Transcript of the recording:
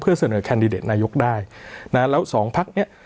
เสนอแคนดิเดตนายกได้นะแล้วสองพักเนี้ย